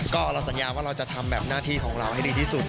ก็เราสัญญาว่าเราจะทำแบบหน้าที่ของเราให้ดีที่สุด